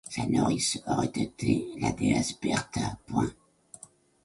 Sa nourrice aurait été la déesse Bertha.